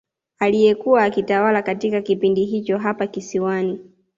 Aliyekuwa akitawala katika kipindi hicho hapo kisiwani